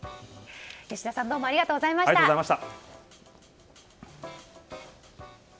吉田さんどうもありがとうございました。